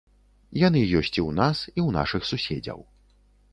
Яны ёсць і ў нас, і ў нашых суседзяў.